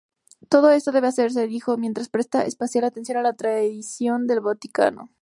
Todo esto debe hacerse, dijo, mientras "presta especial atención a la 'tradición del Vaticano'".